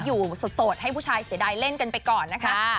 อยู่สดให้ผู้ชายเสียดายเล่นกันไปก่อนนะคะ